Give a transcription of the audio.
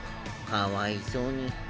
かわいそうに。